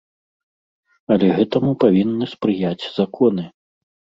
Але гэтаму павінны спрыяць законы.